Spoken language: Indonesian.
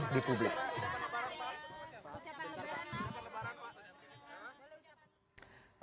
kami berharap bahwa perjalanan ini akan menjadi suatu kesempatan yang berharga